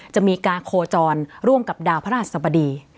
จะมีการโคจรร่วมกับดาวพระราชสบดี